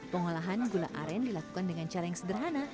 pengolahan gula aren dilakukan dengan cara yang sederhana